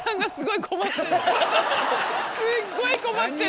すっごい困ってる。